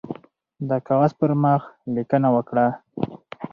د کاغذ پر مخ لیکنه وکړه.